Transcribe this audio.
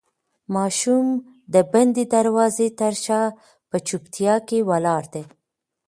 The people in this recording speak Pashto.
ماشوم د بندې دروازې تر شا په چوپتیا کې ولاړ دی.